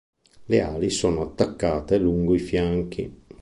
Le ali sono attaccate lungo i fianchi.